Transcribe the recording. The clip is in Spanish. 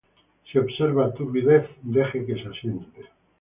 Si observa turbidez, deje que se asiente.